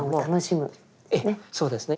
ええそうですね。